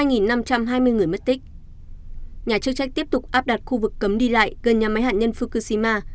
nhà chức trách tiếp tục áp đặt khu vực cấm đi lại gần nhà máy hạt nhân fukushima